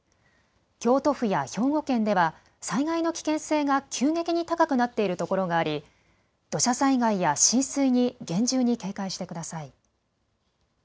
京都府や兵庫県では災害の危険性が急激に高くなっているところがあり土砂災害や浸水に厳重に警戒してください。